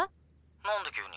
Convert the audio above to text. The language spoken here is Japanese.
何で急に？